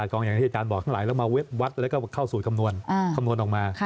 อันนี้ก็ย้อนหลังเหมือนกัน